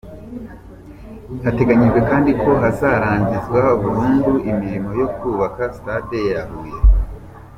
Hateganyijwe kandi ko hazarangizwa burundu imirimo yo kubaka Stade ya Huye.